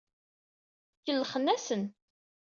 Kellxen-asen.